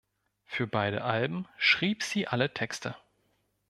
Für beide Alben schrieb sie alle Texte.